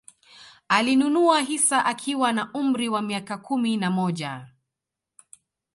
Alinunua hisa akiwa na umri wa miaka kumi na moja